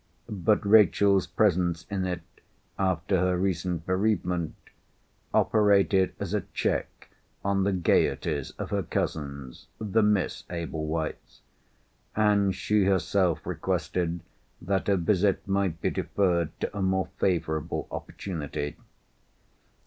But Rachel's presence in it, after her recent bereavement, operated as a check on the gaieties of her cousins, the Miss Ablewhites—and she herself requested that her visit might be deferred to a more favourable opportunity.